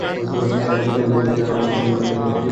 এই আগন্তুক তোমার সাথে আমার সম্পর্কের কথা জানতে চেয়েছে।